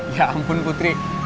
ya ampun putri